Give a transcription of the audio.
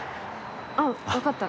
あっわかった。